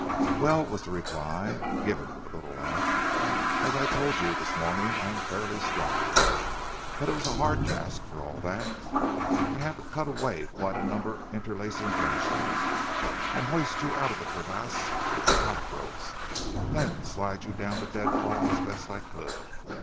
"Well," was the reply, given with a little laugh, "as I told you this morning I am fairly strong. But it was a hard task for all that. I had to cut away quite a number of interlacing branches, and hoist you out of the crevasse with the pack ropes, then slide you down the deadfall as best I could.